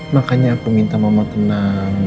makanya aku minta mama tenang